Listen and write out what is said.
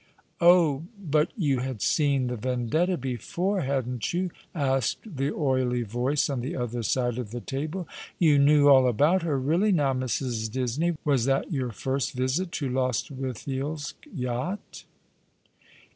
'' Oh, but you had seen the Vendetta before, hadn't you ?'' asked the oily Yoice on the other side of the table. " You knew all about her. Eeally, now, Mrs. Disney, was that your first visit to Lostwithiel's yacht